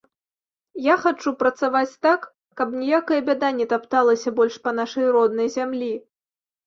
Я хачу працаваць так, каб ніякая бяда не тапталася больш па нашай роднай зямлі.